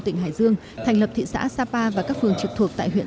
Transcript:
tỉnh hải dương thành lập thị xã sapa và các phường trực thuộc tại huyện